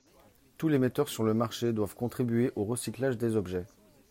Tous les metteurs sur le marché doivent contribuer au recyclage des objets.